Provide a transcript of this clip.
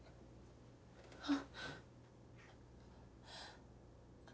あっ。